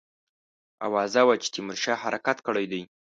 آوازه وه چې تیمورشاه حرکت کړی دی.